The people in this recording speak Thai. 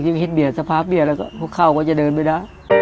ยิ่งคิดเบียดสภาพเบียดแล้วพวกเขาก็จะเดินไปนะ